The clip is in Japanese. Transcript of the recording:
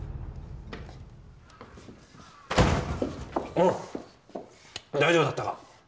おッ大丈夫だったか？